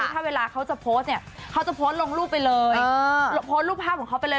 ถ้าเวลาเขาจะโพสต์เนี่ยเขาจะโพสต์ลงรูปไปเลยโพสต์รูปภาพของเขาไปเลย